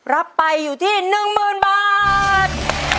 รับไปอยู่ที่๑๐๐๐บาท